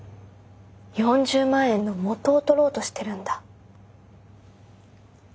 ４０万円の元を取ろうとしてるんだ。